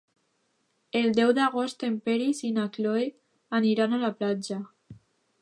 El deu d'agost en Peris i na Cloè aniran a la platja.